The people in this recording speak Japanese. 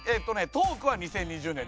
トークは２０２０年で。